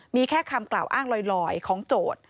มีแค่คำกล่าวอ้างลอยของโจทย์